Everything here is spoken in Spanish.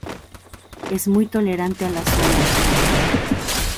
Es muy tolerante a la sombra.